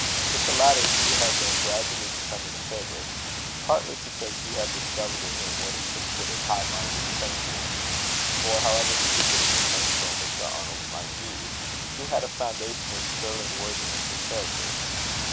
With the latter Hugh had been gradually becoming a favourite; partly because he had discovered in him what he considered high minded sentiments; for, however stupid and conventional Mr. Arnold might be, he had a foundation of sterling worthiness of character.